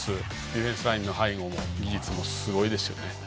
ディフェンスラインの背後を突く技術もすごいです。